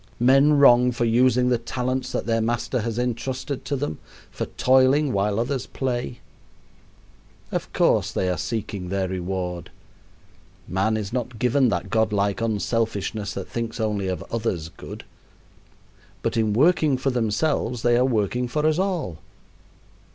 Men wrong for using the talents that their Master has intrusted to them for toiling while others play! Of course they are seeking their reward. Man is not given that godlike unselfishness that thinks only of others' good. But in working for themselves they are working for us all.